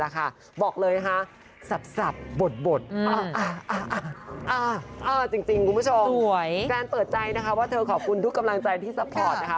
แฟนเปิดใจนะคะว่าเธอขอบคุณทุกกำลังใจที่ซัพพอร์ตนะคะ